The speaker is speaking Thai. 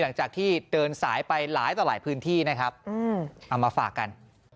หลังจากที่เดินสายไปหลายต่อหลายพื้นที่นะครับเอามาฝากกัน